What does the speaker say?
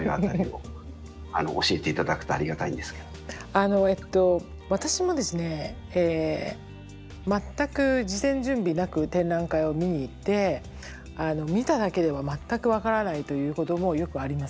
あのえっと私もですね全く事前準備なく展覧会を見に行って見ただけでは全く分からないということもよくあります。